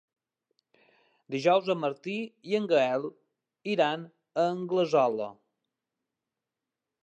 Dijous en Martí i en Gaël iran a Anglesola.